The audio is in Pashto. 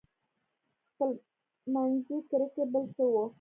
خپلمنځي کرکې بل څه وو.